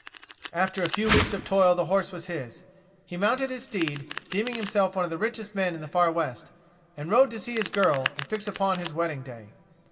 After a few weeks of toil the horse was his. He mounted his steed, deeming himself one of the richest men in the far West, and rode to see his girl and fix upon his wedding day.